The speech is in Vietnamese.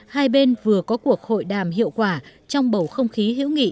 hai bên vừa có cuộc hội đàm hiệu quả trong bầu không khí hữu nghị